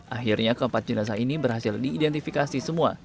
akhirnya keempat jenazah ini berhasil diidentifikasi semua